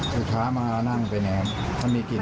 คุณค้ามานั่งไปไหนครับมันมีกลิ่น